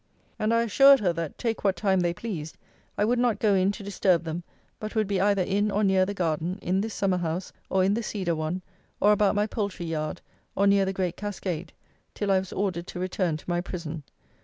And I assured her, that, take what time they pleased, I would not go in to disturb them, but would be either in or near the garden, in this summer house, or in the cedar one, or about my poultry yard, or near the great cascade, till I was ordered to return to my prison.